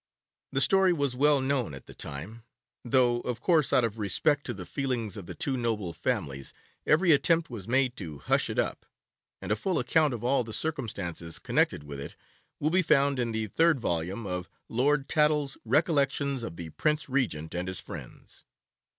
The story was well known at the time, though, of course, out of respect to the feelings of the two noble families, every attempt was made to hush it up; and a full account of all the circumstances connected with it will be found in the third volume of Lord Tattle's Recollections of the Prince Regent and his Friends.